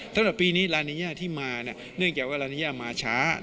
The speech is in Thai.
สำหรับปีนี้ลานีย่าที่มาเนื่องจากว่าลานีย่ามาช้า